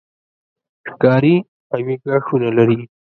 ښکاري قوي غاښونه لري.